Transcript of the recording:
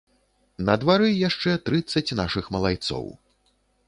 На двары яшчэ трыццаць нашых малайцоў.